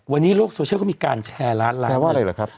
วันนี้โลกโซเชียลก็มีการแชร์ร้านไลน์แชร์ว่าอะไรเหรอครับ